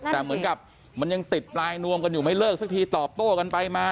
แต่เหมือนกับมันยังติดปลายนวมกันอยู่ไม่เลิกสักทีตอบโต้กันไปมา